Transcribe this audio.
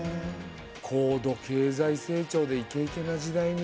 高度経済成長でイケイケな時代に。